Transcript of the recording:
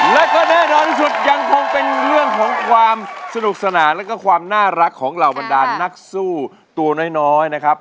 และก็แน่นอนที่สุดยังคงเป็นเรื่องของความสนุกสนานแล้วก็ความน่ารักของเหล่าบรรดานนักสู้ตัวน้อยนะครับ